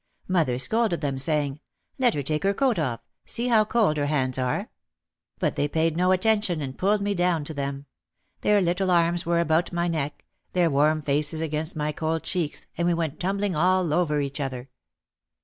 Mother scolded them saying, "Let her take her coat off, see how cold her hands are!" But they paid no attention and pulled me down to them. Their little arms were about my neck, their warm faces against my cold cheeks and we went tumbling all over each other.